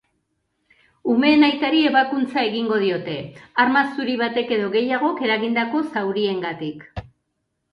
Umeen aitari ebakuntza egingo diote, arma zuri batek edo gehiagok eragindako zauriengatik.